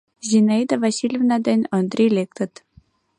Зинаида Васильевна ден Ондрий лектыт.